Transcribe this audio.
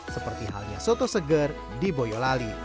seperti halnya soto seger di boyolali